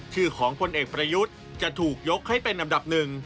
ชื่อของพลเอกประยุทธ์จะถูกยกให้เป็นอันดับหนึ่ง